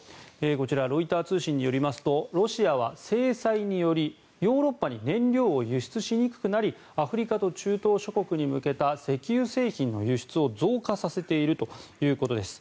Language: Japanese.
こちらロイター通信によりますとロシアは制裁によりヨーロッパに燃料を輸出しにくくなりアフリカと中東諸国に向けた石油製品の輸出を増加させているということです。